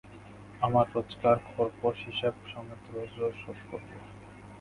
আমার রোজকার খোরপোশ হিসেবমত রোজ রোজ শোধ করব!